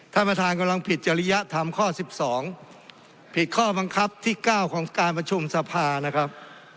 ท่านประธานกำลังผิดจริยธรรมข้อ๑๒ผิดข้อบังคับที่๙ของการประชุมสภานะครับ